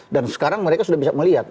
dan sekarang mereka sudah bisa melihat